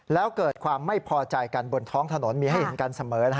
แล้วเกิดความไม่พอใจกันบนท้องถนนมีให้เห็นกันเสมอ